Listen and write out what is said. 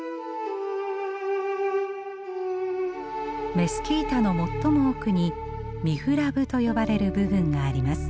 メスキータの最も奥にミフラブと呼ばれる部分があります。